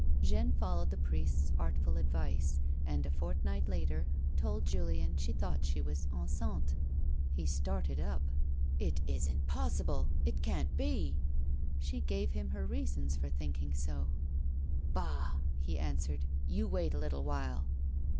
Jeanne followed the priest's artful advice, and, a fort night later, told Julien she thought she was enceinte. He started up. " It isn't possible ! You can't be !" She gave him her reasons for thinking so. " Bah !" he answered. "You wait a little while."